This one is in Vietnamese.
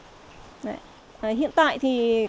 hiện tại thì các nhà trường đều có thể làm được